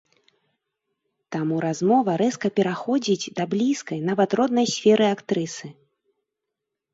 Таму размова рэзка пераходзіць да блізкай, нават, роднай сферы актрысы.